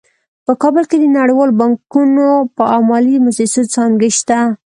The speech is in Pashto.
په کابل کې د نړیوالو بانکونو او مالي مؤسسو څانګې شته